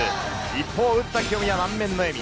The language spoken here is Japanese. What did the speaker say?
一方、打った清宮は満面の笑み。